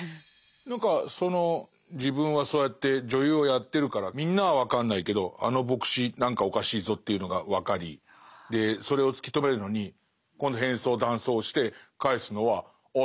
何かその自分はそうやって女優をやってるからみんなは分かんないけどあの牧師何かおかしいぞというのが分かりそれを突き止めるのに今度変装男装をして返すのはああ